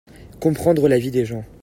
Comprendre la vie des gens.